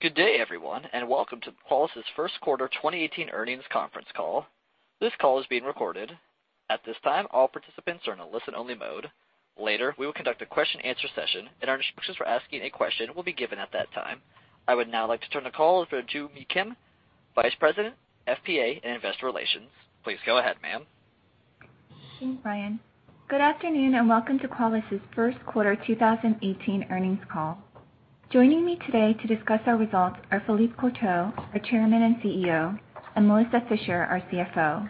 Good day, everyone, and welcome to Qualys' first quarter 2018 earnings conference call. This call is being recorded. At this time, all participants are in a listen-only mode. Later, we will conduct a question and answer session, and our instructions for asking a question will be given at that time. I would now like to turn the call over to Joo Mi Kim, Vice President, FP&A and Investor Relations. Please go ahead, ma'am. Thanks, Brian. Good afternoon, and welcome to Qualys' first quarter 2018 earnings call. Joining me today to discuss our results are Philippe Courtot, our Chairman and CEO, and Melissa Fisher, our CFO.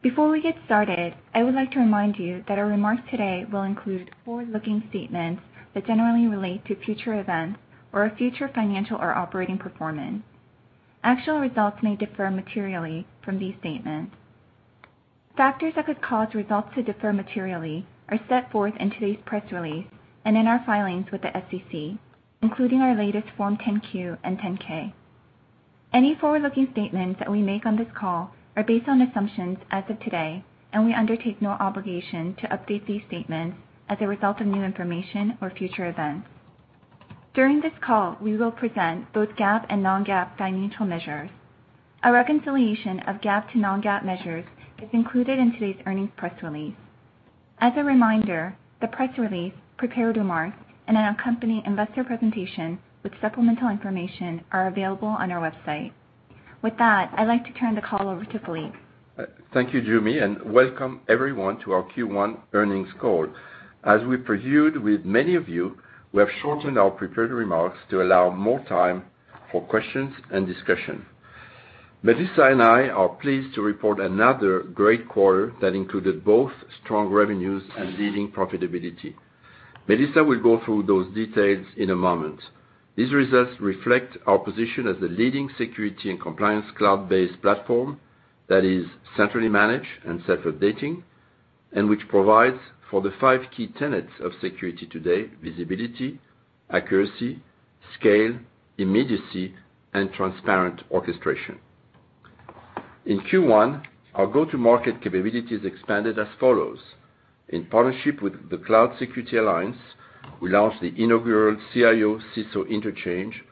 Before we get started, I would like to remind you that our remarks today will include forward-looking statements that generally relate to future events or our future financial or operating performance. Actual results may differ materially from these statements. Factors that could cause results to differ materially are set forth in today's press release and in our filings with the SEC, including our latest Form 10-Q and 10-K. Any forward-looking statements that we make on this call are based on assumptions as of today, and we undertake no obligation to update these statements as a result of new information or future events. During this call, we will present both GAAP and non-GAAP financial measures. A reconciliation of GAAP to non-GAAP measures is included in today's earnings press release. As a reminder, the press release, prepared remarks, and an accompanying investor presentation with supplemental information are available on our website. With that, I'd like to turn the call over to Philippe. Thank you, Joo Mi, and welcome everyone to our Q1 earnings call. As we previewed with many of you, we have shortened our prepared remarks to allow more time for questions and discussion. Melissa and I are pleased to report another great quarter that included both strong revenues and leading profitability. Melissa will go through those details in a moment. These results reflect our position as the leading security and compliance cloud-based platform that is centrally managed and self-updating, which provides for the five key tenets of security today: visibility, accuracy, scale, immediacy, and transparent orchestration. In Q1, our go-to-market capabilities expanded as follows. In partnership with the Cloud Security Alliance, we launched the inaugural CIO/CISO Interchange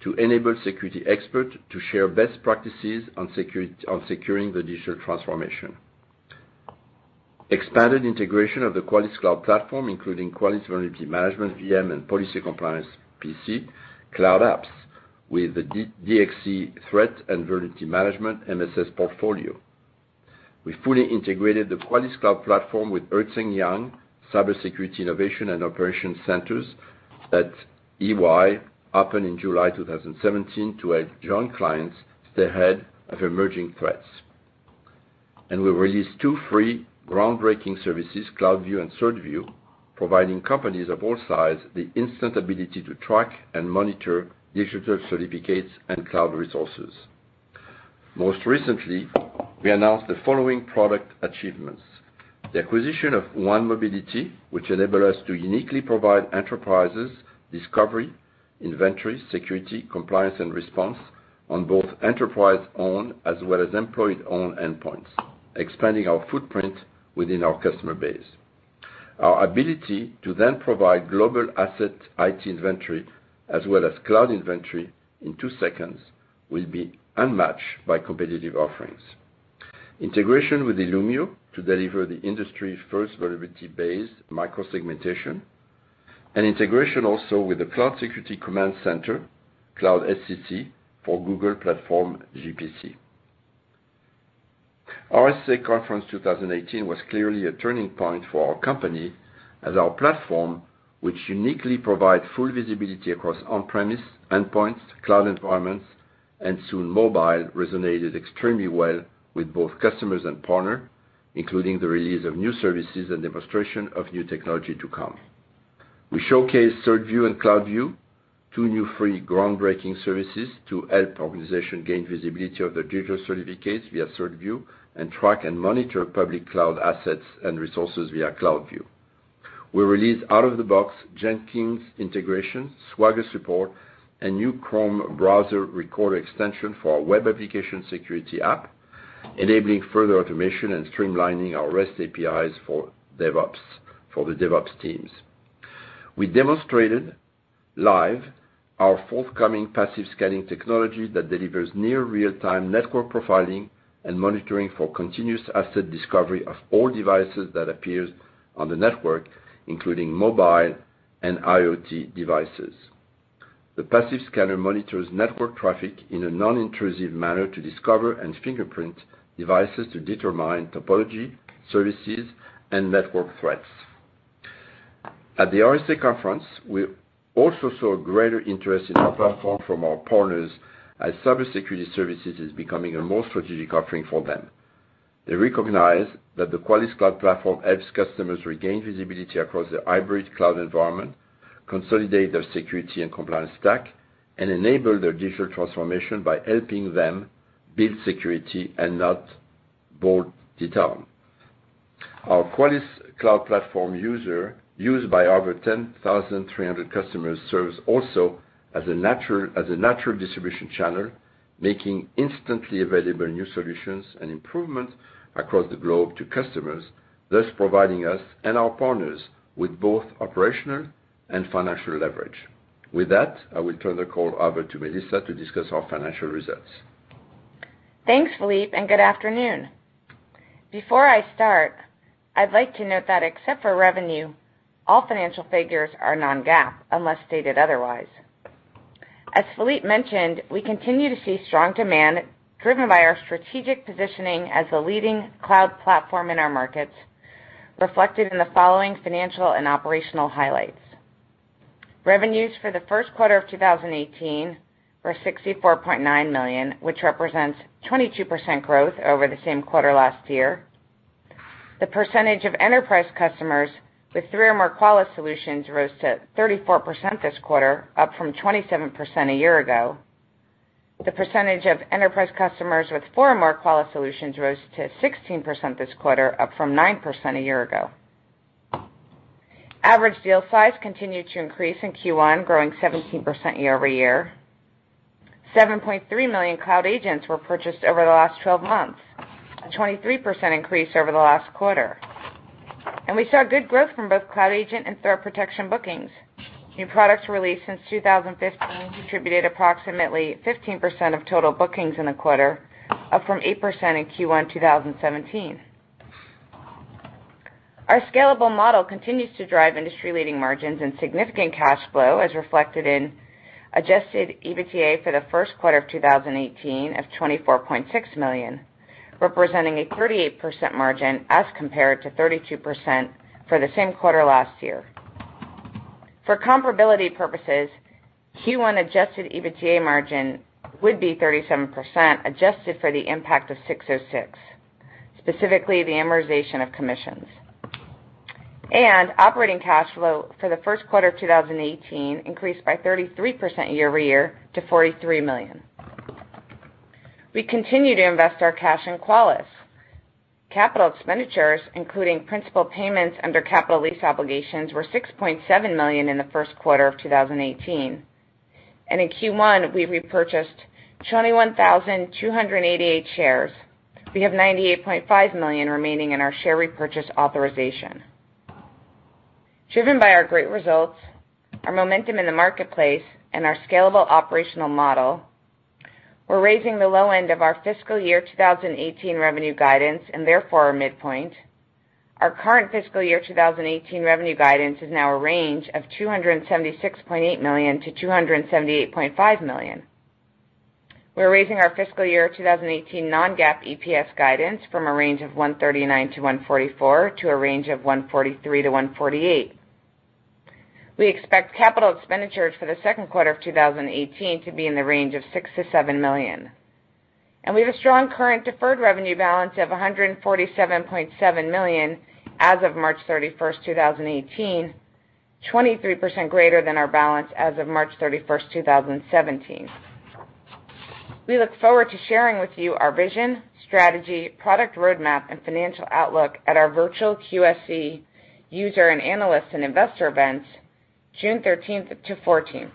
to enable security expert to share best practices on securing the digital transformation. Expanded integration of the Qualys Cloud Platform, including Qualys Vulnerability Management, VM, and Policy Compliance, PC, cloud apps with the DXC Threat and Vulnerability Management MSS portfolio. We fully integrated the Qualys Cloud Platform with Ernst & Young Cybersecurity Innovation and Operation Centers at EY, opened in July 2017 to help joint clients stay ahead of emerging threats. We released two free groundbreaking services, CloudView and CertView, providing companies of all sizes the instant ability to track and monitor digital certificates and cloud resources. Most recently, we announced the following product achievements. The acquisition of 1Mobility, which enable us to uniquely provide enterprises discovery, inventory, security, compliance, and response on both enterprise-owned as well as employee-owned endpoints, expanding our footprint within our customer base. Our ability to provide global asset IT inventory as well as cloud inventory in two seconds will be unmatched by competitive offerings. Integration with Illumio to deliver the industry's first vulnerability-based micro-segmentation. Integration also with the Cloud Security Command Center, Cloud SCC, for Google Cloud Platform, GCP. RSA Conference 2018 was clearly a turning point for our company as our platform, which uniquely provide full visibility across on-premise endpoints, cloud environments, and soon mobile, resonated extremely well with both customers and partner, including the release of new services and demonstration of new technology to come. We showcased CertView and CloudView, two new free groundbreaking services to help organization gain visibility of their digital certificates via CertView and track and monitor public cloud assets and resources via CloudView. We released out-of-the-box Jenkins integration, Swagger support, a new Chrome browser recorder extension for our web application security app, enabling further automation and streamlining our REST APIs for the DevOps teams. We demonstrated live our forthcoming passive scanning technology that delivers near real-time network profiling and monitoring for continuous asset discovery of all devices that appears on the network, including mobile and IoT devices. The passive scanner monitors network traffic in a non-intrusive manner to discover and fingerprint devices to determine topology, services, and network threats. At the RSA Conference, we also saw a greater interest in our platform from our partners as cybersecurity services is becoming a more strategic offering for them. They recognize that the Qualys Cloud Platform helps customers regain visibility across their hybrid cloud environment, consolidate their security and compliance stack, and enable their digital transformation by helping them build security and not bolt it on. Our Qualys Cloud Platform user used by over 10,300 customers serves also as a natural distribution channel, Making instantly available new solutions and improvements across the globe to customers, thus providing us and our partners with both operational and financial leverage. With that, I will turn the call over to Melissa to discuss our financial results. Thanks, Philippe, and good afternoon. Before I would start, I would like to note that except for revenue, all financial figures are non-GAAP unless stated otherwise. As Philippe mentioned, we continue to see strong demand driven by our strategic positioning as the leading cloud platform in our markets, reflected in the following financial and operational highlights. Revenues for the first quarter of 2018 were $64.9 million, which represents 22% growth over the same quarter last year. The percentage of enterprise customers with three or more Qualys solutions rose to 34% this quarter, up from 27% a year ago. The percentage of enterprise customers with four or more Qualys solutions rose to 16% this quarter, up from 9% a year ago. Average deal size continued to increase in Q1, growing 17% year-over-year. 7.3 million Cloud Agents were purchased over the last 12 months, a 23% increase over the last quarter. We saw good growth from both Cloud Agent and Threat Protection bookings. New products released since 2015 contributed approximately 15% of total bookings in the quarter, up from 8% in Q1 2017. Our scalable model continues to drive industry-leading margins and significant cash flow, as reflected in adjusted EBITDA for the first quarter of 2018 of $24.6 million, representing a 38% margin as compared to 32% for the same quarter last year. For comparability purposes, Q1 adjusted EBITDA margin would be 37%, adjusted for the impact of ASC 606, specifically the amortization of commissions. Operating cash flow for the first quarter 2018 increased by 33% year-over-year to $43 million. We continue to invest our cash in Qualys. Capital expenditures, including principal payments under capital lease obligations, were $6.7 million in the first quarter of 2018. In Q1, we repurchased 21,288 shares. We have $98.5 million remaining in our share repurchase authorization. Driven by our great results, our momentum in the marketplace, and our scalable operational model, we are raising the low end of our fiscal year 2018 revenue guidance and therefore our midpoint. Our current fiscal year 2018 revenue guidance is now a range of $276.8 million-$278.5 million. We are raising our fiscal year 2018 non-GAAP EPS guidance from a range of $1.39-$1.44 to a range of $1.43-$1.48. We expect capital expenditures for the second quarter of 2018 to be in the range of $6 million-$7 million. We have a strong current deferred revenue balance of $147.7 million as of March 31st, 2018, 23% greater than our balance as of March 31st, 2017. We look forward to sharing with you our vision, strategy, product roadmap, and financial outlook at our virtual QSC user and analyst and investor events June 13th to 14th.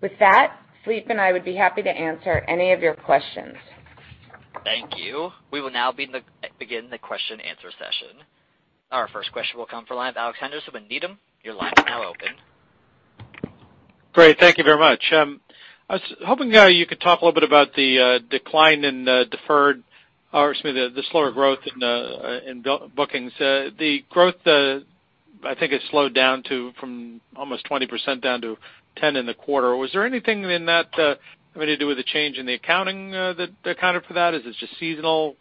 With that, Philippe and I would be happy to answer any of your questions. Thank you. We will now begin the question-answer session. Our first question will come from the line of Alex Henderson with Needham. Your line is now open. Great. Thank you very much. I was hoping you could talk a little bit about the decline in deferred, or excuse me, the slower growth in bookings. The growth, I think, has slowed down from almost 20% down to 10% in the quarter. Was there anything in that having to do with the change in the accounting that accounted for that? Is it just seasonal?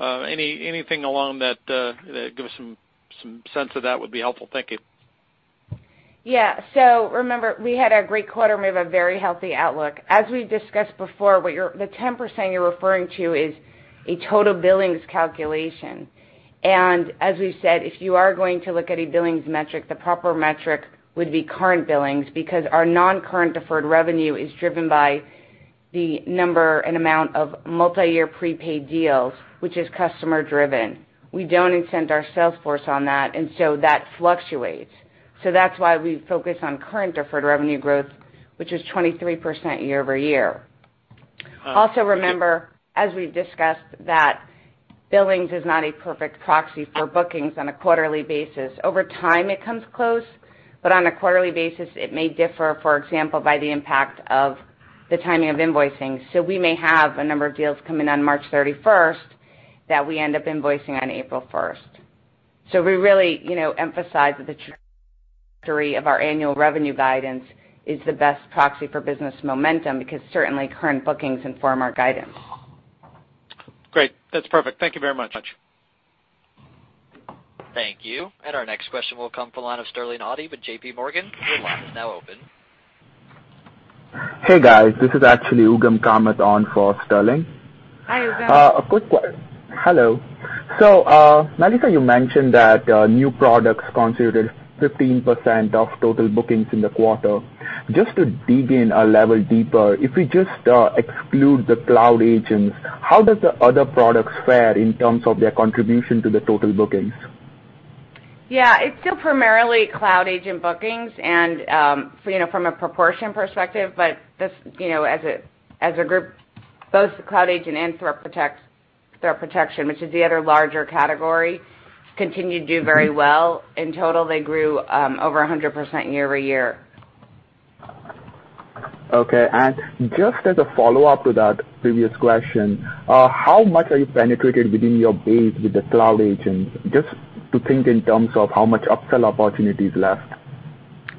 Anything along that give us some sense of that would be helpful. Thank you. Remember, we had a great quarter, and we have a very healthy outlook. As we discussed before, the 10% you're referring to is a total billings calculation. As we said, if you are going to look at a billings metric, the proper metric would be current billings because our non-current deferred revenue is driven by the number and amount of multi-year prepaid deals, which is customer driven. We don't incent our sales force on that, and so that fluctuates. That's why we focus on current deferred revenue growth, which is 23% year-over-year. Remember, as we discussed, that billings is not a perfect proxy for bookings on a quarterly basis. Over time, it comes close, but on a quarterly basis, it may differ, for example, by the impact of the timing of invoicing. We may have a number of deals come in on March 31st that we end up invoicing on April 1st. We really emphasize that the of our annual revenue guidance is the best proxy for business momentum because certainly current bookings inform our guidance. Great. That's perfect. Thank you very much. Thank you. Our next question will come from the line of Sterling Auty with J.P. Morgan. Your line is now open. Hey, guys. This is actually Ugam Kamat on for Sterling. Hi, Ugam. A quick question. Hello. Melissa, you mentioned that new products contributed 15% of total bookings in the quarter. Just to dig in a level deeper, if we just exclude the Cloud Agent, how does the other products fare in terms of their contribution to the total bookings? Yeah. It's still primarily Cloud Agent bookings from a proportion perspective. As a group, both the Cloud Agent and Threat Protection, which is the other larger category, continue to do very well. In total, they grew over 100% year-over-year. Okay. Just as a follow-up to that previous question, how much are you penetrated within your base with the Cloud Agent, just to think in terms of how much upsell opportunity is left?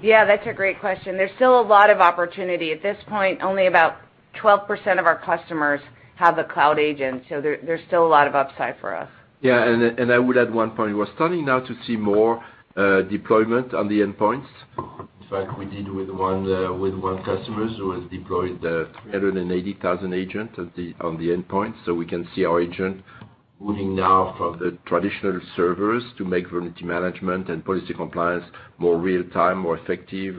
Yeah, that's a great question. There's still a lot of opportunity. At this point, only about 12% of our customers have the Cloud Agent, so there's still a lot of upside for us. Yeah, I would add one point. We're starting now to see more deployment on the endpoints. In fact, we did with one customer who has deployed 380,000 agent on the endpoint, so we can see our agent moving now from the traditional servers to make Vulnerability Management and Policy Compliance more real time, more effective,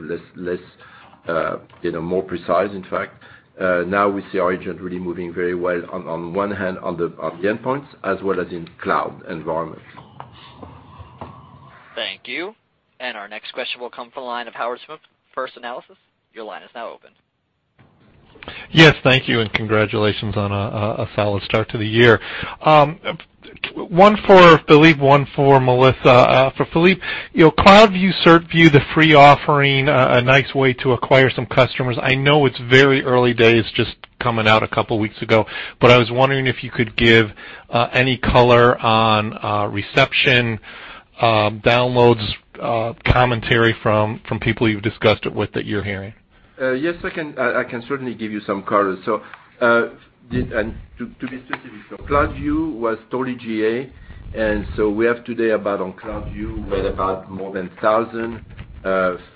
more precise, in fact. Now we see our agent really moving very well on one hand on the endpoints as well as in cloud environments. Thank you. Our next question will come from the line of Howard Smith, First Analysis. Your line is now open. Yes, thank you. Congratulations on a solid start to the year. One for Philippe, one for Melissa. For Philippe, CloudView, CertView, the free offering, a nice way to acquire some customers. I know it's very early days, just coming out a couple of weeks ago, but I was wondering if you could give any color on reception, downloads, commentary from people you've discussed it with that you're hearing. Yes, I can certainly give you some color. To be specific, CloudView was totally GA. We have today about on CloudView, we have about more than 1,000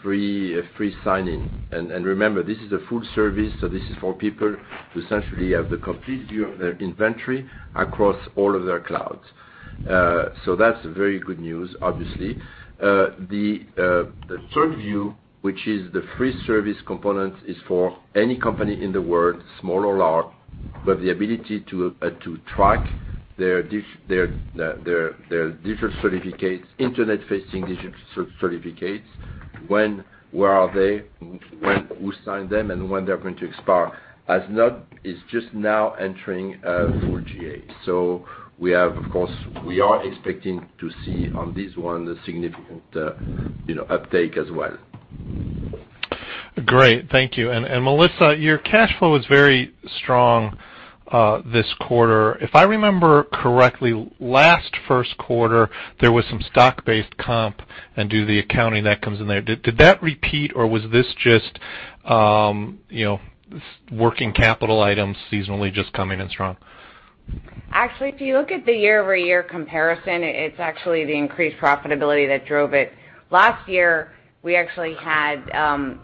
free sign-ins. Remember, this is a full service, so this is for people to essentially have the complete view of their inventory across all of their clouds. That's very good news, obviously. The CertView, which is the free service component, is for any company in the world, small or large, to have the ability to track their digital certificates, internet-facing digital certificates, when, where are they, who signed them, and when they're going to expire. It's just now entering full GA. We are expecting to see on this one a significant uptake as well. Great. Thank you. Melissa, your cash flow was very strong this quarter. If I remember correctly, last first quarter, there was some stock-based comp and do the accounting that comes in there. Did that repeat or was this just working capital items seasonally just coming in strong? If you look at the year-over-year comparison, it's actually the increased profitability that drove it. Last year, we actually had an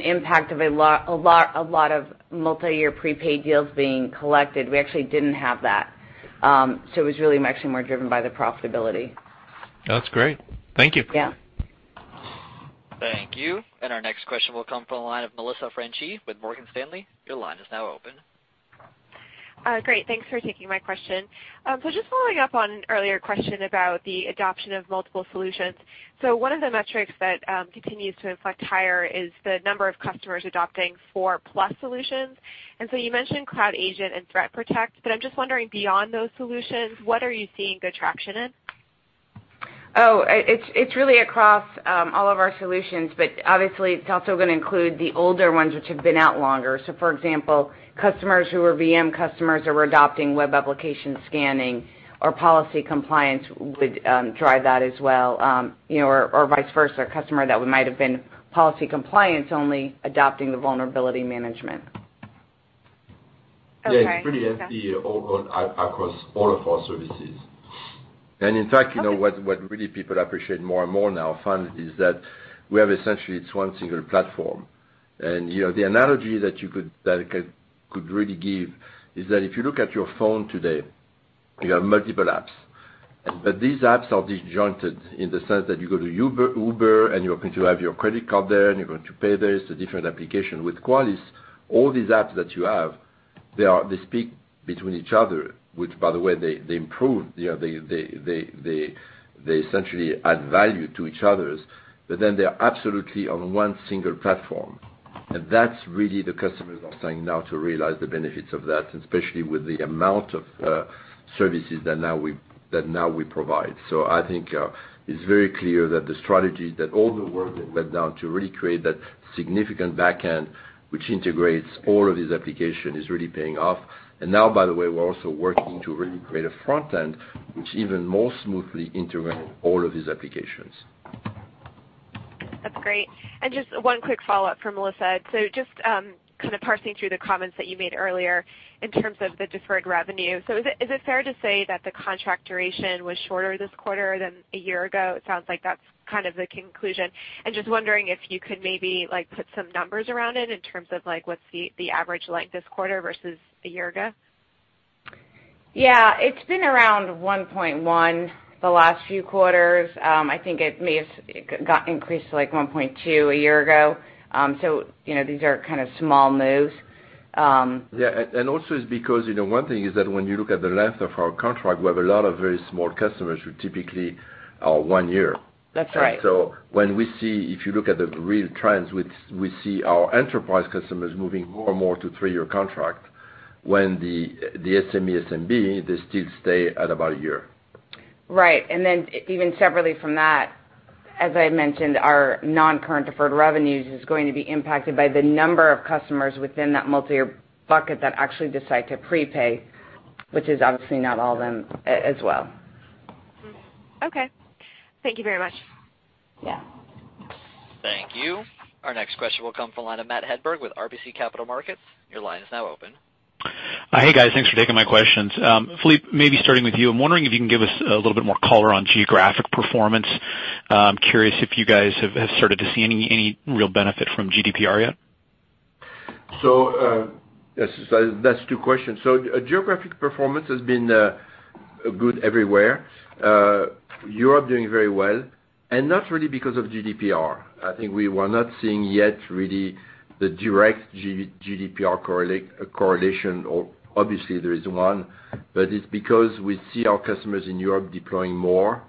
impact of a lot of multi-year prepaid deals being collected. We actually didn't have that. It was really actually more driven by the profitability. That's great. Thank you. Yeah. Thank you. Our next question will come from the line of Melissa Franchi with Morgan Stanley. Your line is now open. Thanks for taking my question. Just following up on an earlier question about the adoption of multiple solutions. One of the metrics that continues to inflect higher is the number of customers adopting four-plus solutions. You mentioned Cloud Agent and ThreatPROTECT, but I'm just wondering, beyond those solutions, what are you seeing good traction in? It's really across all of our solutions, but obviously it's also going to include the older ones which have been out longer. For example, customers who are VM customers who are adopting web application scanning or policy compliance would drive that as well. Vice versa, a customer that might have been policy compliance only adopting the vulnerability management. Okay. It's pretty evenly across all of our services. In fact, what really people appreciate more and more now, finally, is that we have essentially it's one single platform. The analogy that I could really give is that if you look at your phone today, you have multiple apps. These apps are disjointed in the sense that you go to Uber, and you're going to have your credit card there, and you're going to pay this, a different application. With Qualys, all these apps that you have, they speak between each other, which, by the way, they improve. They essentially add value to each others. They're absolutely on one single platform. That's really the customers are starting now to realize the benefits of that, especially with the amount of services that now we provide. I think it's very clear that the strategy that all the work that went down to really create that significant back end, which integrates all of these application, is really paying off. Now, by the way, we're also working to really create a front end which even more smoothly integrates all of these applications. That's great. Just one quick follow-up from Melissa. Just kind of parsing through the comments that you made earlier in terms of the deferred revenue. Is it fair to say that the contract duration was shorter this quarter than a year ago? It sounds like that's kind of the conclusion. Just wondering if you could maybe put some numbers around it in terms of what's the average like this quarter versus a year ago? Yeah. It's been around 1.1 the last few quarters. I think it may have got increased to 1.2 a year ago. These are kind of small moves. Yeah. Also it's because one thing is that when you look at the length of our contract, we have a lot of very small customers who typically are one year. That's right. If you look at the real trends, we see our enterprise customers moving more and more to 3-year contract when the SME/SMB, they still stay at about 1 year. Right. Even separately from that, as I mentioned, our non-current deferred revenues is going to be impacted by the number of customers within that multi-year bucket that actually decide to prepay, which is obviously not all of them as well. Okay. Thank you very much. Yeah. Thank you. Our next question will come from the line of Matthew Hedberg with RBC Capital Markets. Your line is now open. Hey, guys. Thanks for taking my questions. Philippe, maybe starting with you, I'm wondering if you can give us a little bit more color on geographic performance. I'm curious if you guys have started to see any real benefit from GDPR yet. That's two questions. Geographic performance has been good everywhere. Europe doing very well, not really because of GDPR. I think we were not seeing yet really the direct GDPR correlation or obviously there is one, but it's because we see our customers in Europe deploying more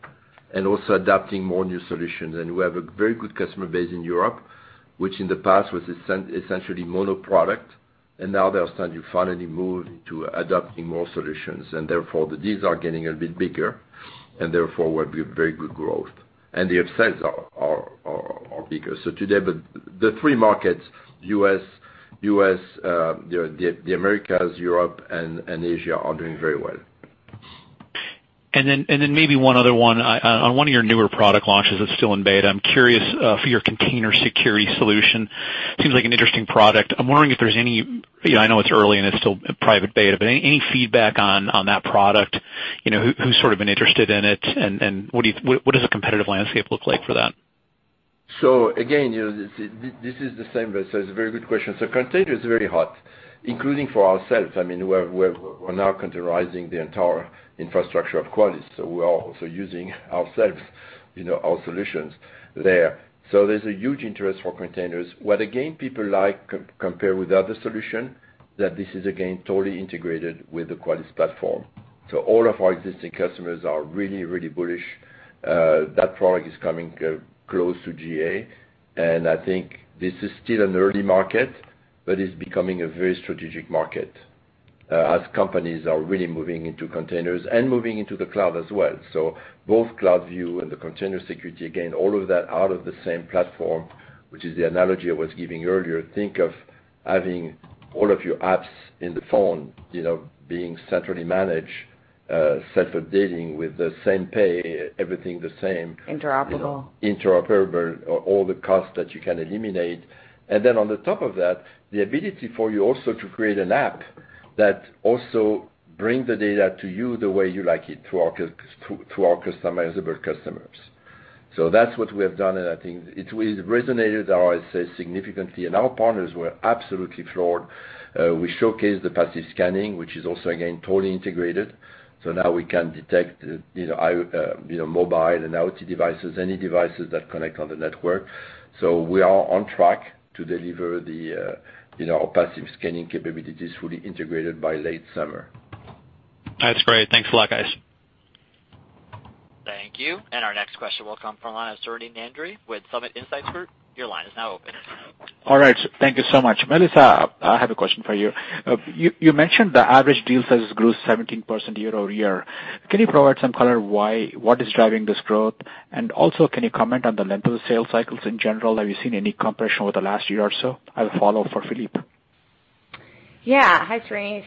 and also adapting more new solutions. We have a very good customer base in Europe, which in the past was essentially mono product, and now they are starting to finally move into adopting more solutions. Therefore the deals are getting a bit bigger, and therefore we have very good growth, and the upsells are bigger. Today, the three markets, the Americas, Europe, and Asia are doing very well. Maybe one other one. On one of your newer product launches that's still in beta, I'm curious for your container security solution. Seems like an interesting product. I'm wondering if there's any, I know it's early and it's still private beta, but any feedback on that product? Who's sort of been interested in it, and what does the competitive landscape look like for that? Again, this is the same, but it's a very good question. Container is very hot, including for ourselves. I mean, we're now containerizing the entire infrastructure of Qualys, so we are also using ourselves, our solutions there. There's a huge interest for containers. What, again, people like compared with the other solution, that this is again, totally integrated with the Qualys Platform. All of our existing customers are really, really bullish. That product is coming close to GA, and I think this is still an early market, but it's becoming a very strategic market as companies are really moving into containers and moving into the cloud as well. Both CloudView and the container security, again, all of that out of the same platform, which is the analogy I was giving earlier. Think of having all of your apps in the phone, being centrally managed, self-updating with the same pay, everything the same. Interoperable. Interoperable. All the cost that you can eliminate. On the top of that, the ability for you also to create an app that also bring the data to you the way you like it through our customizable customers. That's what we have done, and I think it resonated, I would say, significantly, and our partners were absolutely floored. We showcased the passive scanning, which is also, again, totally integrated. Now we can detect mobile and IoT devices, any devices that connect on the network. We are on track to deliver our passive scanning capabilities fully integrated by late summer. That's great. Thanks a lot, guys. Thank you. Our next question will come from the line of Srini Nanduri with Summit Insight Group. Your line is now open. All right. Thank you so much. Melissa, I have a question for you. You mentioned the average deal size grew 17% year-over-year. Can you provide some color why, what is driving this growth? Also, can you comment on the length of the sales cycles in general? Have you seen any compression over the last year or so? I will follow for Philippe. Yeah. Hi, Srini.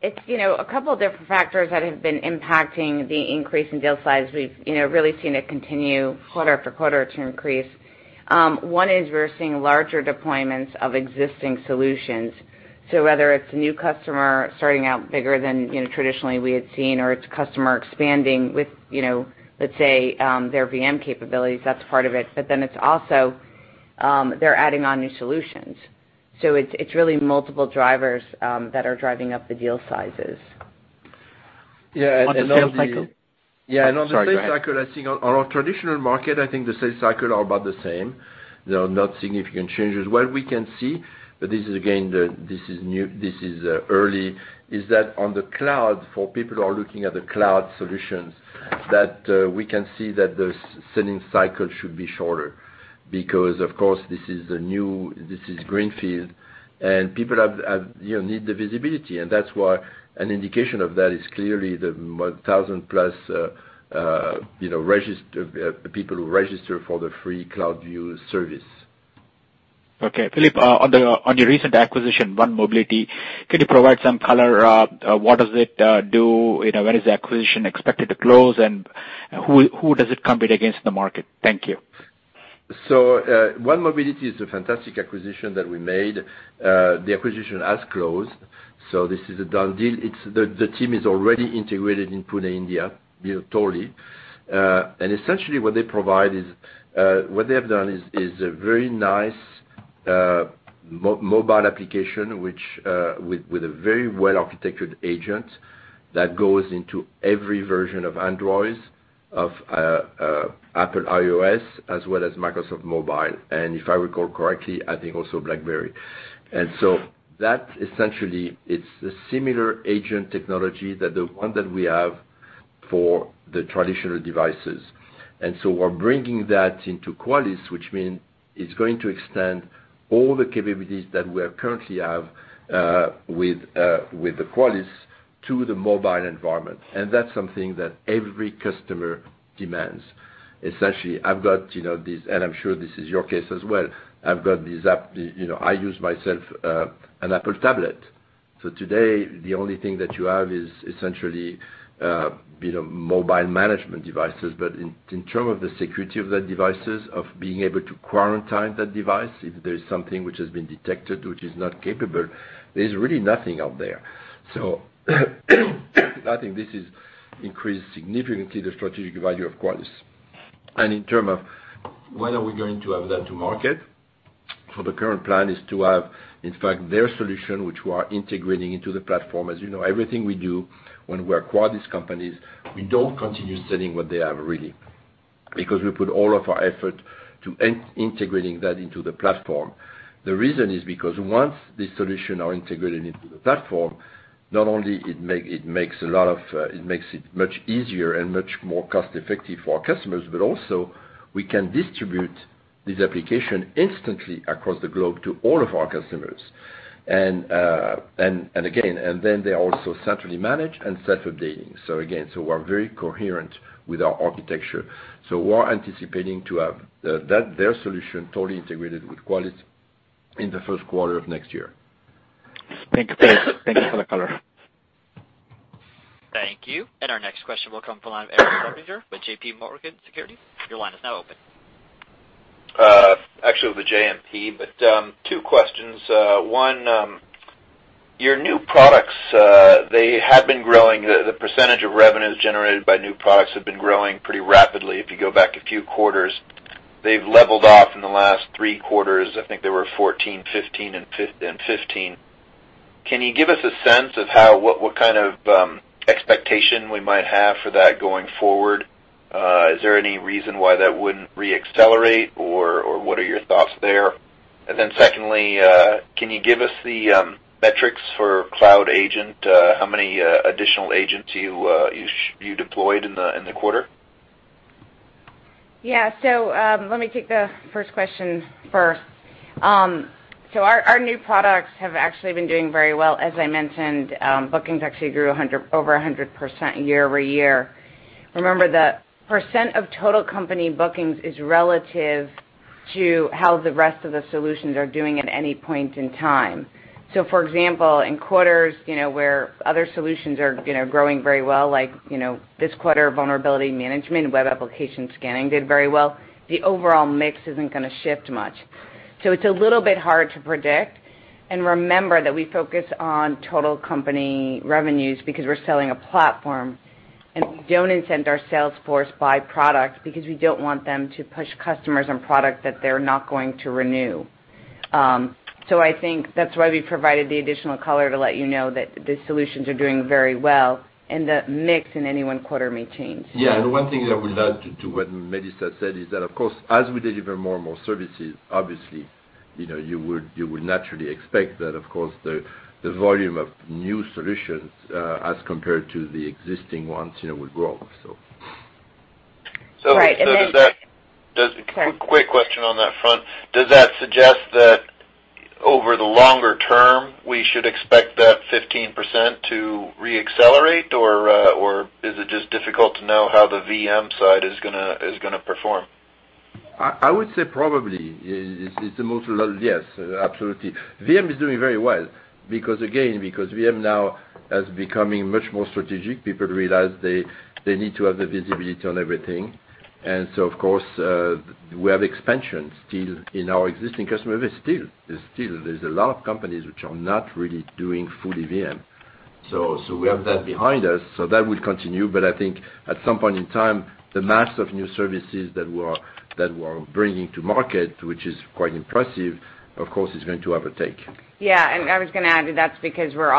It's a couple of different factors that have been impacting the increase in deal size. We've really seen it continue quarter after quarter to increase. One is we're seeing larger deployments of existing solutions. Whether it's a new customer starting out bigger than traditionally we had seen, or it's a customer expanding with, let's say, their VM capabilities, that's part of it. It's also, they're adding on new solutions. It's really multiple drivers that are driving up the deal sizes. On the sales cycle? Yeah. On the sales cycle, I think on our traditional market, I think the sales cycle are about the same. There are no significant changes. What we can see, but this is again, this is early, is that on the cloud, for people who are looking at the cloud solutions, that we can see that the selling cycle should be shorter. Because, of course, this is greenfield, and people need the visibility. That's why an indication of that is clearly the 1,000-plus people who register for the free CloudView service. Okay. Philippe, on your recent acquisition, 1Mobility, could you provide some color? What does it do? When is the acquisition expected to close, and who does it compete against in the market? Thank you. 1Mobility is a fantastic acquisition that we made. The acquisition has closed, this is a done deal. The team is already integrated in Pune, India, totally. Essentially what they have done is a very nice a mobile application with a very well-architectured agent that goes into every version of Android, of Apple iOS, as well as Windows Mobile, and if I recall correctly, I think also BlackBerry. That essentially it's a similar agent technology than the one that we have for the traditional devices. We're bringing that into Qualys, which means it's going to extend all the capabilities that we currently have with the Qualys to the mobile environment. That's something that every customer demands. Essentially, I've got these, and I'm sure this is your case as well, I use myself an Apple tablet. Today, the only thing that you have is essentially mobile management devices, but in terms of the security of that devices, of being able to quarantine that device, if there's something which has been detected, which is not capable, there's really nothing out there. I think this is increased significantly the strategic value of Qualys. In terms of when are we going to have that to market? For the current plan is to have, in fact, their solution, which we are integrating into the platform. As you know, everything we do when we acquire these companies, we don't continue selling what they have, really because we put all of our effort to integrating that into the platform. The reason is because once these solutions are integrated into the platform, not only it makes it much easier and much more cost-effective for our customers, but also we can distribute this application instantly across the globe to all of our customers. They're also centrally managed and self-updating. We're very coherent with our architecture. We are anticipating to have their solution totally integrated with Qualys in the first quarter of next year. Thank you for the color. Thank you. Our next question will come from the line of Erik Suppiger with JMP Securities. Your line is now open. Actually with JMP, two questions. One, your new products, they have been growing, the percentage of revenues generated by new products have been growing pretty rapidly if you go back a few quarters. They've leveled off in the last three quarters. I think they were 14, 15, and 15. Can you give us a sense of what kind of expectation we might have for that going forward? Is there any reason why that wouldn't re-accelerate or what are your thoughts there? Secondly, can you give us the metrics for Cloud Agent? How many additional agents you deployed in the quarter? Let me take the first question first. Our new products have actually been doing very well. As I mentioned, bookings actually grew over 100% year-over-year. Remember, the percent of total company bookings is relative to how the rest of the solutions are doing at any point in time. For example, in quarters where other solutions are growing very well, like this quarter, Vulnerability Management and web application scanning did very well. The overall mix isn't going to shift much. It's a little bit hard to predict. Remember that we focus on total company revenues because we're selling a platform, and we don't incent our sales force by product because we don't want them to push customers on product that they're not going to renew. I think that's why we provided the additional color to let you know that the solutions are doing very well and the mix in any one quarter may change. The one thing that I would add to what Melissa said is that, of course, as we deliver more and more services, obviously, you would naturally expect that, of course, the volume of new solutions, as compared to the existing ones, would grow. Does that? Right. Quick question on that front. Does that suggest that over the longer term, we should expect that 15% to re-accelerate, or is it just difficult to know how the VM side is going to perform? I would say probably. It's the most likely, yes. Absolutely. VM is doing very well because again, because VM now is becoming much more strategic. People realize they need to have the visibility on everything. Of course, we have expansion still in our existing customer base. Still, there's a lot of companies which are not really doing full EVM. We have that behind us, so that will continue. I think at some point in time, the mass of new services that we're bringing to market, which is quite impressive, of course, is going to overtake. Yeah. I was going to add that's because we're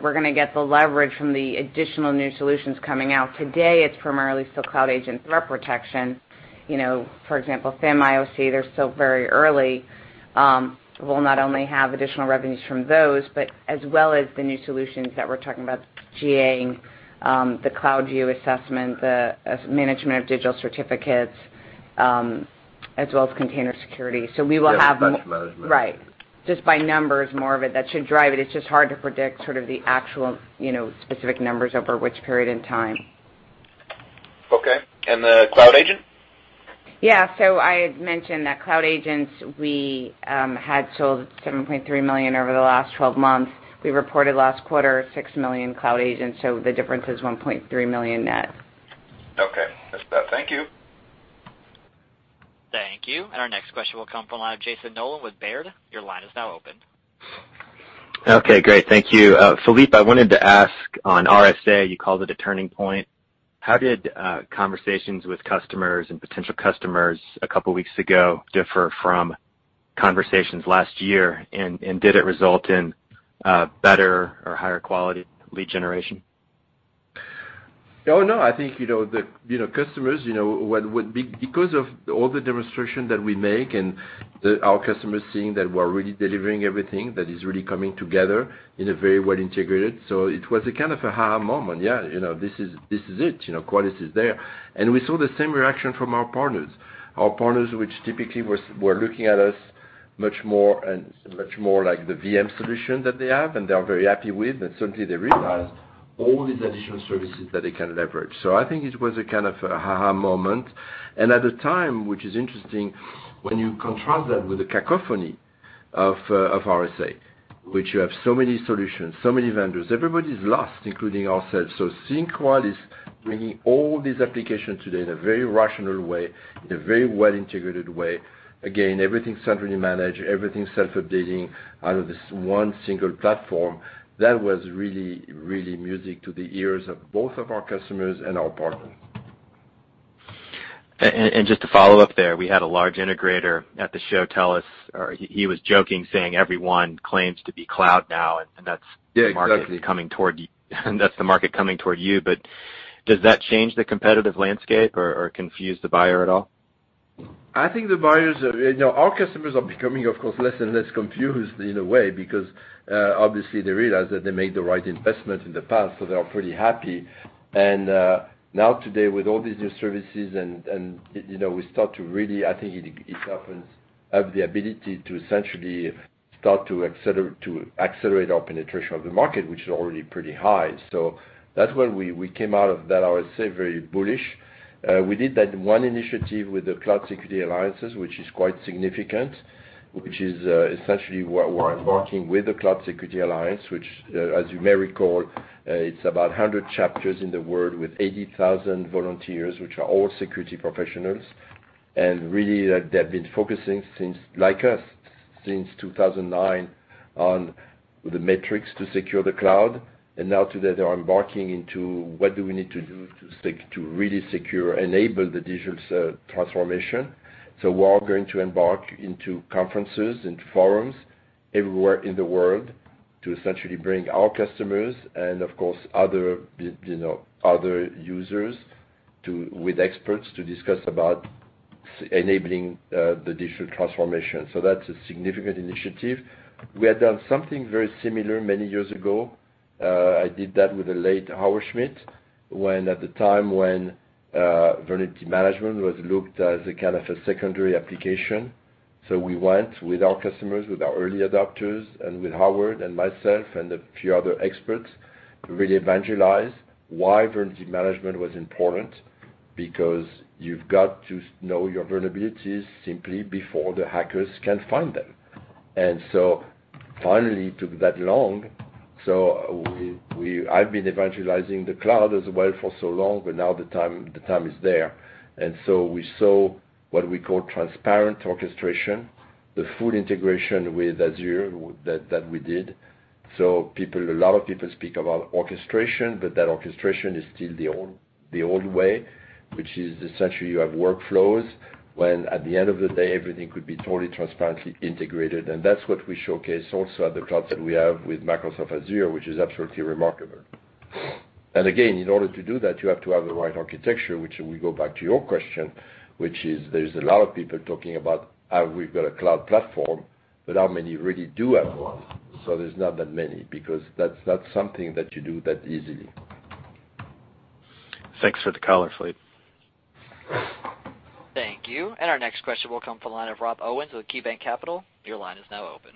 going to get the leverage from the additional new solutions coming out. Today, it's primarily still Cloud Agent Threat Protection. For example, FAM, IOC, they're still very early. We'll not only have additional revenues from those, but as well as the new solutions that we're talking about GA-ing, the CloudView assessment, the management of digital certificates, as well as container security. Yeah, Patch Management. Right. Just by numbers, more of it. That should drive it. It's just hard to predict sort of the actual specific numbers over which period in time. Okay. The Cloud Agent? Yeah. I had mentioned that Cloud Agents, we had sold $7.3 million over the last 12 months. We reported last quarter, $6 million Cloud Agents, the difference is $1.3 million net. Okay. That's that. Thank you. Thank you. Our next question will come from the line of Jason Nolan with Baird. Your line is now open. Okay, great. Thank you. Philippe, I wanted to ask on RSA, you called it a turning point. How did conversations with customers and potential customers a couple of weeks ago differ from conversations last year? Did it result in better or higher quality lead generation? Oh, no. I think because of all the demonstration that we make and our customers seeing that we're really delivering everything that is really coming together in a very well integrated. It was a kind of a aha moment. Yeah, this is it. Qualys is there. We saw the same reaction from our partners. Our partners, which typically were looking at us much more like the VM solution that they have, and they are very happy with, but suddenly they realized all these additional services that they can leverage. I think it was a kind of a aha moment. At the time, which is interesting, when you contrast that with the cacophony of RSA, which you have so many solutions, so many vendors, everybody's lost, including ourselves. Seeing Qualys bringing all these applications today in a very rational way, in a very well-integrated way, again, everything centrally managed, everything self-updating out of this one single platform, that was really music to the ears of both of our customers and our partners. Just to follow up there, we had a large integrator at the show tell us, he was joking, saying everyone claims to be cloud now, and that's Yeah, exactly The market coming toward you. Does that change the competitive landscape or confuse the buyer at all? I think our customers are becoming, of course, less and less confused in a way because, obviously they realize that they made the right investment in the past, so they are pretty happy. Now today, with all these new services and we start to really, I think it sharpens up the ability to essentially start to accelerate our penetration of the market, which is already pretty high. That's why we came out of that, I would say, very bullish. We did that one initiative with the Cloud Security Alliance, which is quite significant, which is essentially we're working with the Cloud Security Alliance, which, as you may recall, it's about 100 chapters in the world with 80,000 volunteers, which are all security professionals. Really, they've been focusing, like us, since 2009, on the metrics to secure the cloud. Now today, they are embarking into what do we need to do to really secure, enable the digital transformation. We are going to embark into conferences and forums everywhere in the world to essentially bring our customers and, of course, other users with experts to discuss about enabling the digital transformation. That's a significant initiative. We had done something very similar many years ago. I did that with the late Howard Schmidt, at the time when vulnerability management was looked as a kind of a secondary application. We went with our customers, with our early adopters, and with Howard and myself and a few other experts, really evangelize why vulnerability management was important, because you've got to know your vulnerabilities simply before the hackers can find them. Finally, it took that long. I've been evangelizing the cloud as well for so long, but now the time is there. We saw what we call transparent orchestration, the full integration with Azure that we did. A lot of people speak about orchestration, but that orchestration is still the old way, which is essentially you have workflows, when at the end of the day, everything could be totally transparently integrated. That's what we showcase also at the cloud that we have with Microsoft Azure, which is absolutely remarkable. Again, in order to do that, you have to have the right architecture, which we go back to your question, which is there's a lot of people talking about how we've got a cloud platform, but how many really do have one? There's not that many, because that's not something that you do that easily. Thanks for the color, Philippe. Thank you. Our next question will come from the line of Rob Owens with KeyBanc Capital. Your line is now open.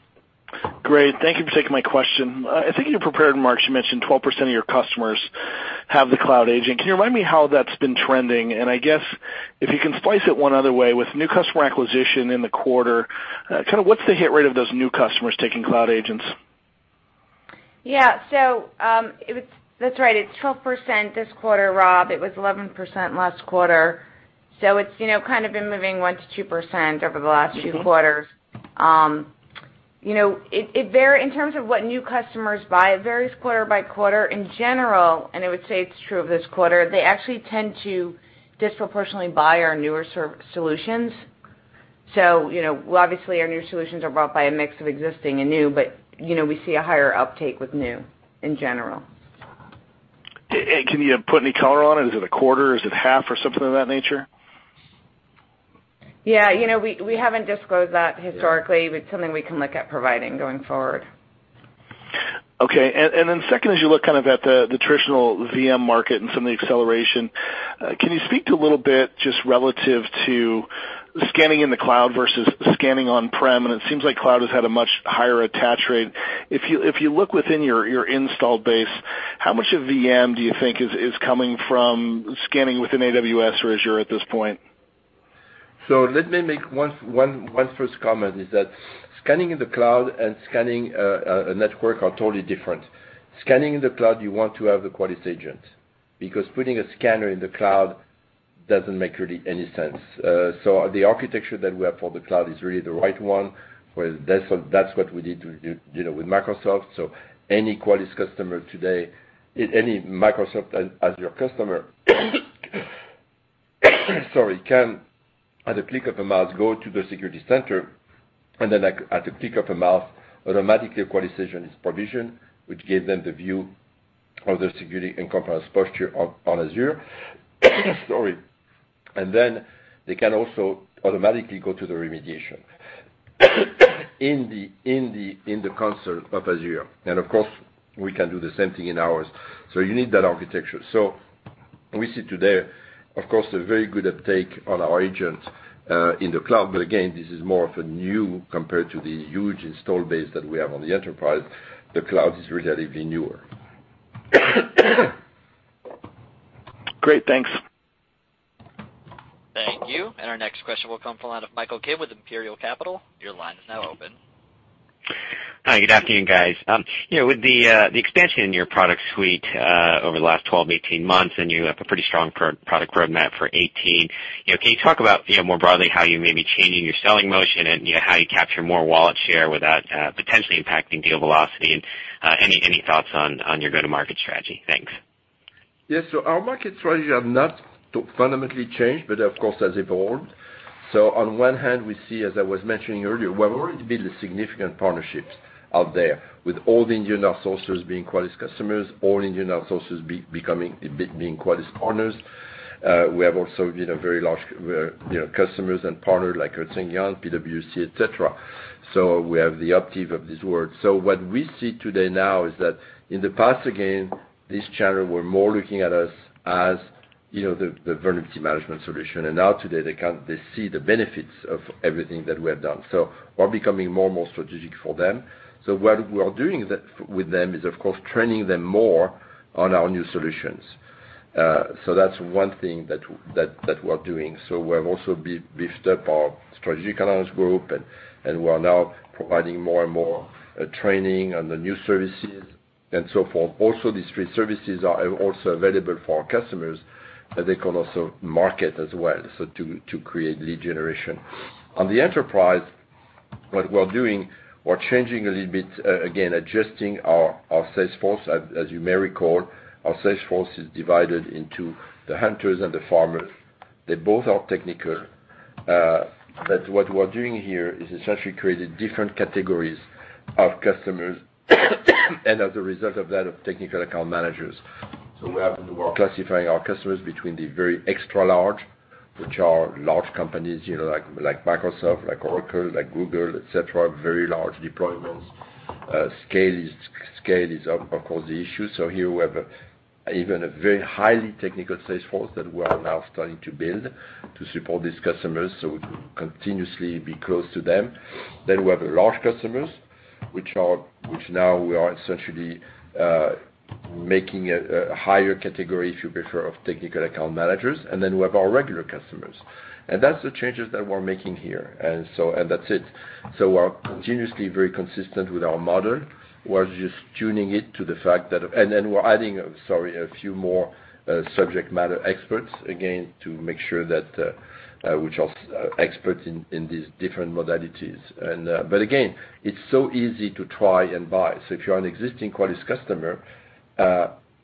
Great. Thank you for taking my question. In your prepared remarks, you mentioned 12% of your customers have the Cloud Agent. Can you remind me how that's been trending? I guess if you can slice it one other way, with new customer acquisition in the quarter, what's the hit rate of those new customers taking Cloud Agents? Yeah. That's right. It's 12% this quarter, Rob. It was 11% last quarter. It's been moving 1%-2% over the last few quarters. In terms of what new customers buy, it varies quarter by quarter. In general, I would say it's true of this quarter, they actually tend to disproportionately buy our newer solutions. Obviously, our newer solutions are bought by a mix of existing and new, but we see a higher uptake with new in general. Can you put any color on it? Is it a quarter? Is it half or something of that nature? Yeah. We haven't disclosed that historically. It's something we can look at providing going forward. Second, as you look at the traditional VM market and some of the acceleration, can you speak to a little bit just relative to scanning in the cloud versus scanning on-prem? It seems like cloud has had a much higher attach rate. If you look within your install base, how much of VM do you think is coming from scanning within AWS or Azure at this point? Let me make one first comment, is that scanning in the cloud and scanning a network are totally different. Scanning in the cloud, you want to have the Qualys agent, because putting a scanner in the cloud doesn't make really any sense. The architecture that we have for the cloud is really the right one. That's what we need to do with Microsoft. Any Qualys customer today, any Microsoft Azure customer can at a click of a mouse go to the Security Center and then at a click of a mouse, automatically a Qualys solution is provisioned, which gives them the view of the security and compliance posture on Azure. They can also automatically go to the remediation in the console of Azure. Of course, we can do the same thing in ours. You need that architecture. We see today, of course, a very good uptake on our agents in the cloud. Again, this is more of a new compared to the huge install base that we have on the enterprise. The cloud is relatively newer. Great, thanks. Thank you. Our next question will come from the line of Michael Kidd with Imperial Capital. Your line is now open. Hi, good afternoon, guys. With the expansion in your product suite over the last 12, 18 months, you have a pretty strong product roadmap for 18. Can you talk about more broadly how you may be changing your selling motion and how you capture more wallet share without potentially impacting deal velocity? Any thoughts on your go-to-market strategy? Thanks. Yes. Our market strategy has not fundamentally changed, but of course, has evolved. On one hand, we see, as I was mentioning earlier, we have already built significant partnerships out there with all the Indian outsourcers being Qualys customers, all Indian outsourcers being Qualys partners. We have also very large customers and partners like Ernst & Young, PwC, et cetera. We have the Optiv of this word. What we see today now is that in the past, again, these channels were more looking at us as the vulnerability management solution. Now today they see the benefits of everything that we have done. We're becoming more strategic for them. What we are doing with them is, of course, training them more on our new solutions. That's one thing that we are doing. We have also beefed up our strategy accounts group, we are now providing more and more training on the new services and so forth. Also, these three services are also available for our customers, that they can also market as well, so to create lead generation. On the enterprise, what we're doing, we're changing a little bit, again, adjusting our sales force. As you may recall, our sales force is divided into the hunters and the farmers. They both are technical. What we're doing here is essentially creating different categories of customers and as a result of that, of technical account managers. We are classifying our customers between the very extra large, which are large companies, like Microsoft, like Oracle, like Google, et cetera, very large deployments. Scale is of course the issue. Here we have even a very highly technical sales force that we are now starting to build to support these customers, continuously be close to them. We have large customers, which now we are essentially making a higher category, if you prefer, of technical account managers. We have our regular customers. That's the changes that we're making here. That's it. We're continuously very consistent with our model. We're just tuning it to the fact that we're adding, sorry, a few more subject matter experts, again, to make sure that we have experts in these different modalities. Again, it's so easy to try and buy. If you're an existing Qualys customer,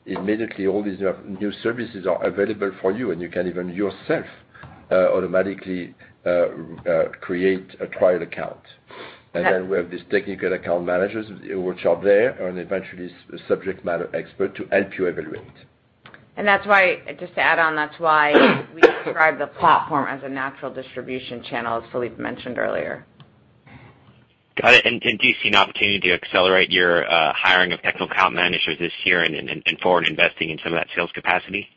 immediately all these new services are available for you, and you can even yourself automatically create a trial account. We have these technical account managers which are there and eventually a subject matter expert to help you evaluate. That's why, just to add on, that's why we describe the platform as a natural distribution channel, as Philippe mentioned earlier. Got it. Do you see an opportunity to accelerate your hiring of technical account managers this year and forward investing in some of that sales capacity?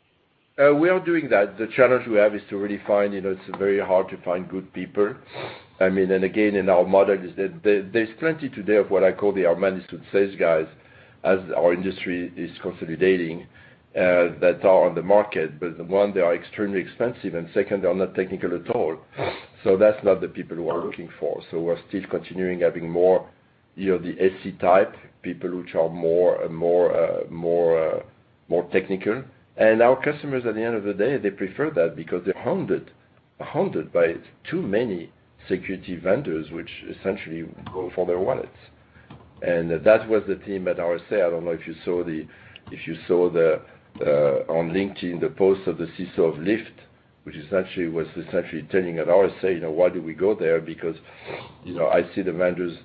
We are doing that. The challenge we have is to really find, it's very hard to find good people. I mean, in our model, there's plenty today of what I call the managed sales guys as our industry is consolidating, that are on the market. One, they are extremely expensive, and second, they are not technical at all. That's not the people we are looking for. We're still continuing having more the SE type people, which are more technical. Our customers at the end of the day, they prefer that because they're hounded by too many security vendors, which essentially go for their wallets. That was the theme at RSA. I don't know if you saw on LinkedIn the post of the CISO of Lyft, which essentially was essentially telling at RSA, "Why do we go there? I see the vendors,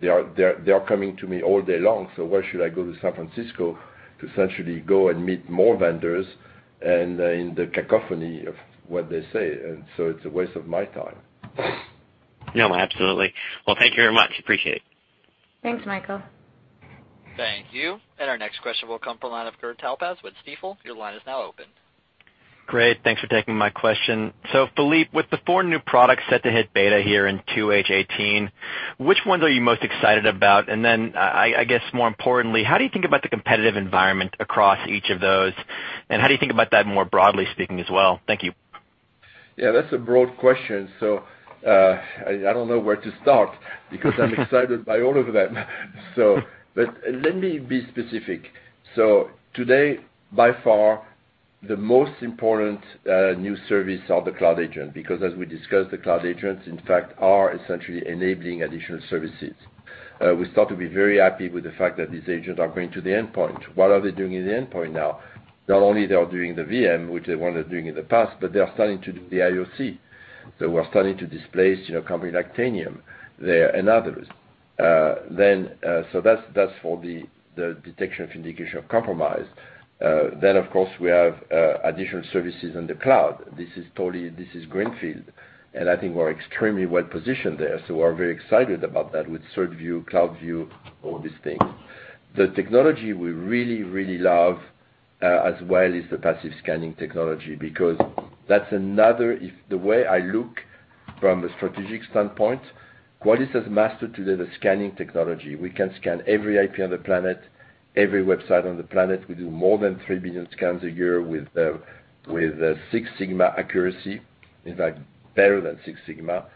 they are coming to me all day long, so why should I go to San Francisco to essentially go and meet more vendors and in the cacophony of what they say? It's a waste of my time. No, absolutely. Well, thank you very much. Appreciate it. Thanks, Michael. Thank you. Our next question will come from the line of Gur Talpaz with Stifel. Your line is now open. Great. Thanks for taking my question. Philippe, with the four new products set to hit beta here in 2H 2018, which ones are you most excited about? I guess more importantly, how do you think about the competitive environment across each of those, and how do you think about that more broadly speaking as well? Thank you. Yeah, that's a broad question. I don't know where to start because I'm excited by all of them. Let me be specific. Today, by far, the most important, new service are the Cloud Agent, because as we discussed, the Cloud Agents, in fact, are essentially enabling additional services. We start to be very happy with the fact that these agents are going to the endpoint. What are they doing in the endpoint now? Not only they are doing the VM, which they weren't doing in the past, but they are starting to do the IoC. We are starting to displace company like Tanium there and others. That's for the detection of Indicator of Compromise. Of course, we have additional services in the cloud. This is totally, this is greenfield. I think we're extremely well-positioned there, we're very excited about that with CertView, CloudView, all these things. The technology we really, really love, as well, is the passive scanning technology because that's another. The way I look from a strategic standpoint, Qualys has mastered today the scanning technology. We can scan every IP on the planet, every website on the planet. We do more than three billion scans a year with Six Sigma accuracy. In fact, better than Six Sigma.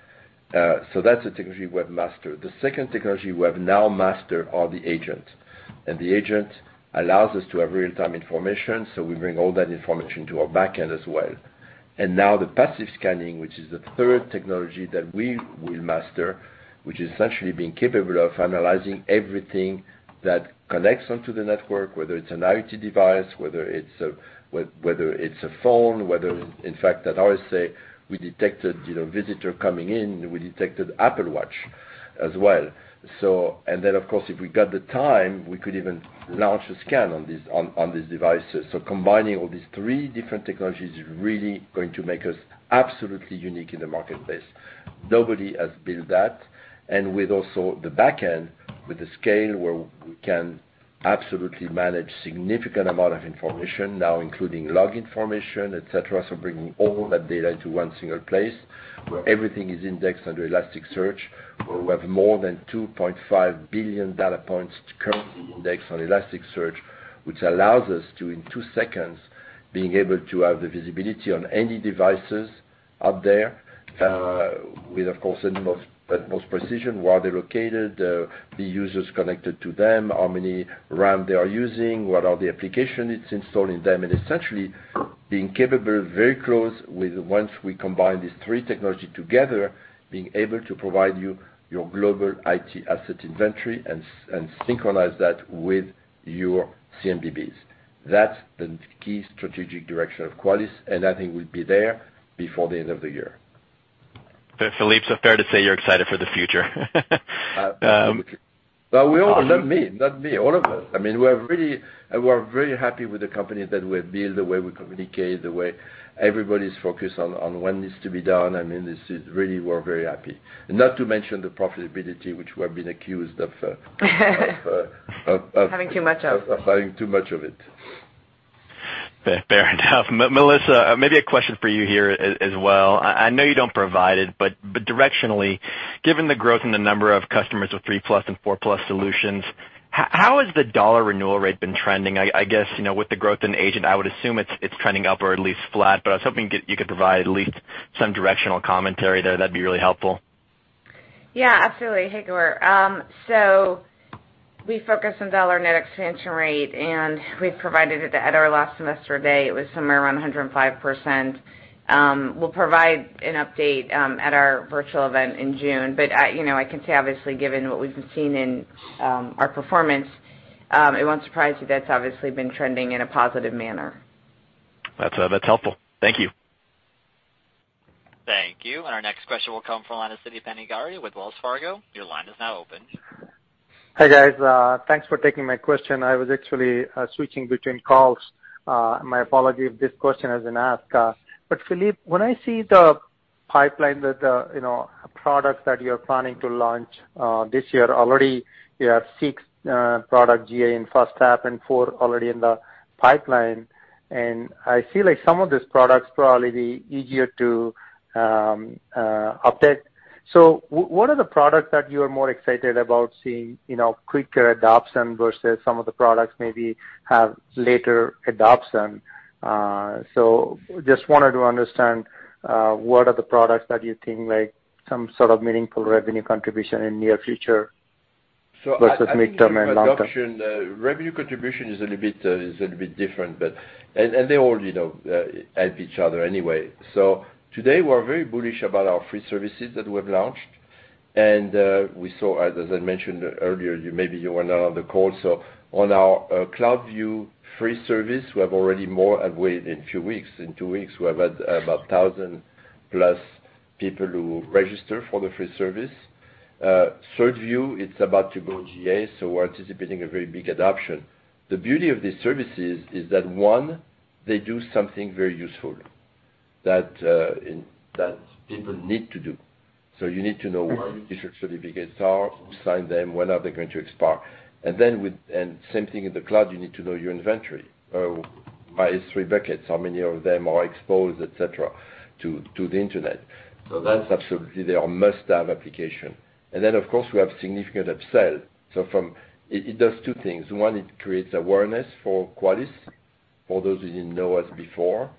That's a technology we have mastered. The second technology we have now mastered are the agent. The agent allows us to have real-time information, we bring all that information to our back end as well. The passive scanning, which is the third technology that we will master, which is essentially being capable of analyzing everything that connects onto the network, whether it's an IoT device, whether it's a phone, whether it's, in fact, at RSA, we detected visitor coming in, we detected Apple Watch as well. Then, of course, if we got the time, we could even launch a scan on these devices. Combining all these three different technologies is really going to make us absolutely unique in the marketplace. Nobody has built that. With also the back end, with the scale where we can absolutely manage significant amount of information now including log information, et cetera. Bringing all that data into one single place where everything is indexed under Elasticsearch, where we have more than 2.5 billion data points currently indexed on Elasticsearch, which allows us to, in two seconds, being able to have the visibility on any devices out there, with, of course, the most precision, where they're located, the users connected to them, how many RAM they are using, what are the application it's installed in them. Essentially, being capable, very close with once we combine these three technology together, being able to provide you your global IT asset inventory and synchronize that with your CMDBs. That's the key strategic direction of Qualys, and I think we'll be there before the end of the year. Philippe, fair to say you're excited for the future. Well, not me, all of us. We're very happy with the company that we have built, the way we communicate, the way everybody's focused on what needs to be done. Really, we're very happy. Not to mention the profitability, which we have been accused of. Having too much of of having too much of it. Fair enough. Melissa, maybe a question for you here as well. I know you don't provide it, but directionally, given the growth in the number of customers with three-plus and four-plus solutions, how has the dollar renewal rate been trending? I guess, with the growth in Agent, I would assume it's trending up or at least flat, but I was hoping you could provide at least some directional commentary there. That'd be really helpful. Yeah, absolutely. Sure. We focus on dollar net expansion rate, and we've provided it at our last investor day. It was somewhere around 105%. We'll provide an update at our virtual event in June. I can say, obviously, given what we've been seeing in our performance, it won't surprise you that's obviously been trending in a positive manner. That's helpful. Thank you. Thank you. Our next question will come from the line of Siti Panigrahi with Wells Fargo. Your line is now open. Hi, guys. Thanks for taking my question. I was actually switching between calls. My apology if this question has been asked. Philippe, when I see the pipeline that the products that you're planning to launch this year, already you have six product GA in First Half and four already in the pipeline. I feel like some of these products probably easier to update. What are the products that you are more excited about seeing quicker adoption versus some of the products maybe have later adoption? Just wanted to understand, what are the products that you think some sort of meaningful revenue contribution in near future versus midterm and long-term? I think revenue contribution is a little bit different, and they all help each other anyway. Today, we're very bullish about our free services that we have launched. We saw, as I mentioned earlier, maybe you were not on the call, on our CloudView free service, we have already more have waited few weeks. In two weeks, we have about 1,000-plus people who register for the free service. CertView, it's about to go GA, we're anticipating a very big adoption. The beauty of these services is that, one, they do something very useful that people need to do. You need to know where your certificates are, who signed them, when are they going to expire. Same thing in the cloud, you need to know your inventory, by its S3 buckets, how many of them are exposed, et cetera, to the internet. That's absolutely, they are must-have application. Of course, we have significant upsell. It does two things. One, it creates awareness for Qualys. For those who didn't know us before,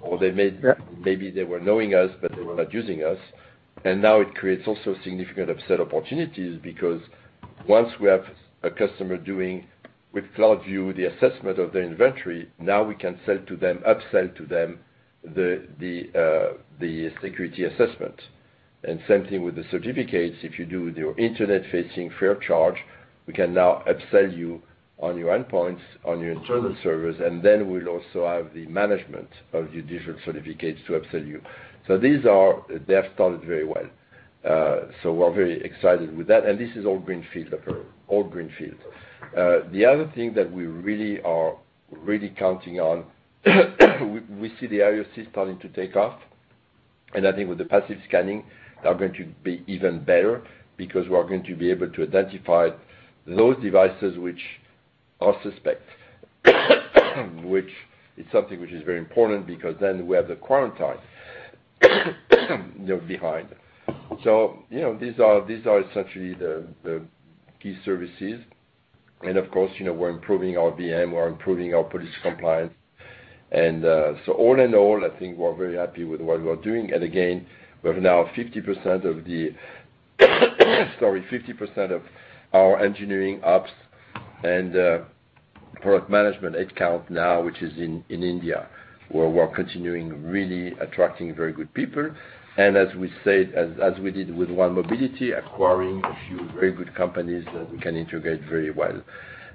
or maybe they were knowing us, but they were not using us. Now it creates also significant upsell opportunities because once we have a customer doing with CloudView the assessment of their inventory, now we can sell to them, upsell to them the security assessment. Same thing with the certificates. If you do your Internet-facing CertView, we can now upsell you on your endpoints, on your internal servers, and then we'll also have the management of your different certificates to upsell you. They have started very well. We're very excited with that, and this is all greenfield. The other thing that we really are counting on, we see the IOC starting to take off. I think with the passive scanning, they are going to be even better because we are going to be able to identify those devices which are suspect, which is something which is very important because then we have the quarantine behind. These are essentially the key services. Of course, we're improving our VM, we're improving our policy compliance. All in all, I think we're very happy with what we're doing. Again, we have now 50% of the our engineering ops and product management headcount now, which is in India, where we're continuing really attracting very good people. As we did with 1Mobility, acquiring a few very good companies that we can integrate very well.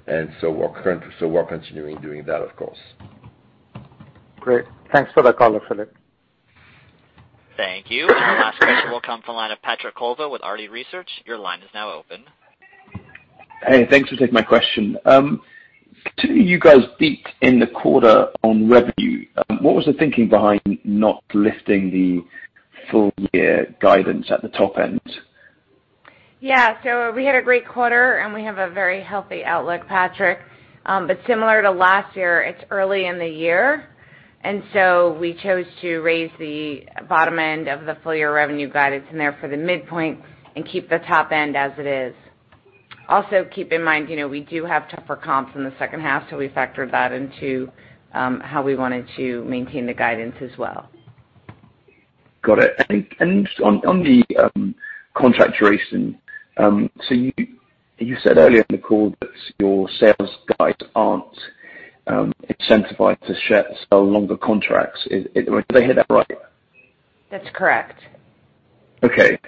We're continuing doing that, of course. Great. Thanks for the color, Philippe. Thank you. Our last question will come from the line of Patrick Colville with Arete Research. Your line is now open. Hey, thanks for taking my question. To you guys deep in the quarter on revenue, what was the thinking behind not lifting the full year guidance at the top end? Yeah. We had a great quarter, and we have a very healthy outlook, Patrick. Similar to last year, it's early in the year, we chose to raise the bottom end of the full year revenue guidance in there for the midpoint and keep the top end as it is. Keep in mind, we do have tougher comps in the second half, we factored that into how we wanted to maintain the guidance as well. Got it. Just on the contract duration, you said earlier in the call that your sales guys aren't incentivized to sell longer contracts. Did I hear that right? That's correct. Okay.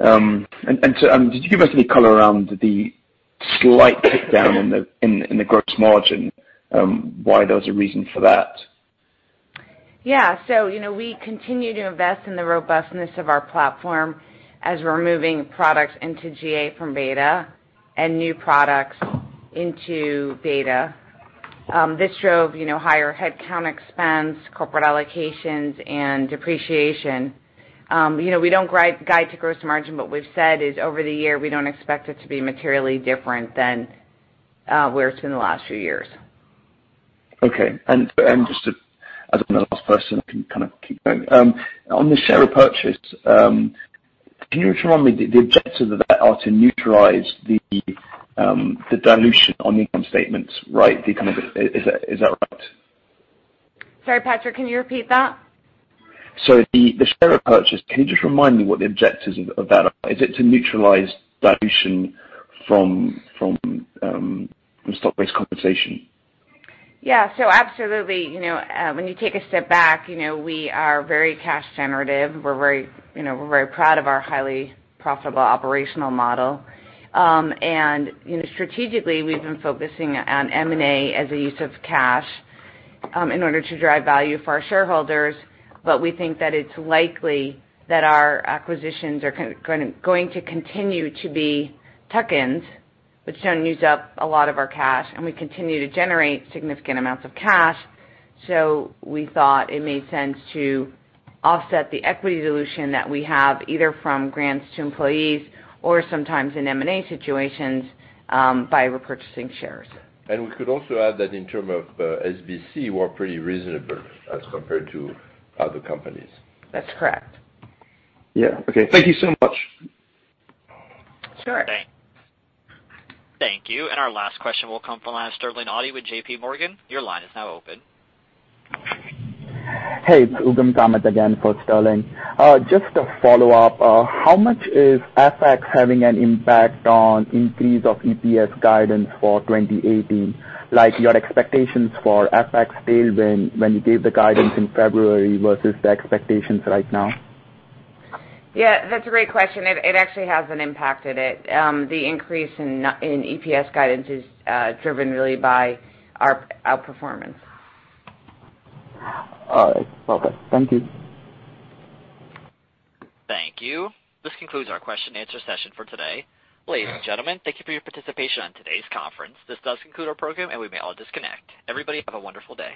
Did you give us any color around the slight tick down in the gross margin, why there was a reason for that? Yeah. We continue to invest in the robustness of our platform as we're moving products into GA from beta and new products into beta. This drove higher headcount expense, corporate allocations, and depreciation. We don't guide to gross margin, but we've said is over the year, we don't expect it to be materially different than where it's been the last few years. Okay. Just as I'm the last person, I can kind of keep going. On the share purchase, can you remind me, the objectives of that are to neutralize the dilution on income statements, right? Is that right? Sorry, Patrick, can you repeat that? The share purchase, can you just remind me what the objectives of that are? Is it to neutralize dilution from stock-based compensation? Absolutely. When you take a step back, we are very cash generative. We're very proud of our highly profitable operational model. Strategically, we've been focusing on M&A as a use of cash in order to drive value for our shareholders. We think that it's likely that our acquisitions are going to continue to be tuck-ins, which don't use up a lot of our cash, and we continue to generate significant amounts of cash. We thought it made sense to offset the equity dilution that we have, either from grants to employees or sometimes in M&A situations, by repurchasing shares. We could also add that in terms of SBC, we're pretty reasonable as compared to other companies. That's correct. Yeah. Okay. Thank you so much. Sure. Thank you. Our last question will come from the line of Sterling Auty with J.P. Morgan. Your line is now open. Hey, it's Ugam Kamat again for Sterling. Just a follow-up. How much is FX having an impact on increase of EPS guidance for 2018? Like your expectations for FX still when you gave the guidance in February versus the expectations right now? Yeah, that's a great question. It actually hasn't impacted it. The increase in EPS guidance is driven really by our outperformance. All right. Okay. Thank you. Thank you. This concludes our question and answer session for today. Ladies and gentlemen, thank you for your participation in today's conference. This does conclude our program, and we may all disconnect. Everybody, have a wonderful day.